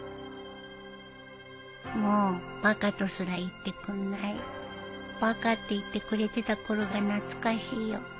もう「バカ」とすら言ってくんない「バカ」って言ってくれてたころが懐かしいよ